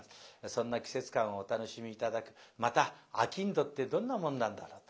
そんな季節感をお楽しみ頂くまた商人ってどんなもんなんだろう。